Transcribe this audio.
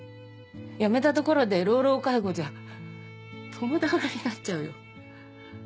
辞めたところで老老介護じゃ共倒れになっちゃうよ。